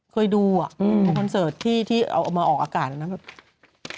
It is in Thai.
เคยดูคอนเสิร์ตที่เอามาออกอากาศนั่น